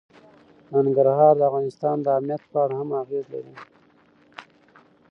ننګرهار د افغانستان د امنیت په اړه هم اغېز لري.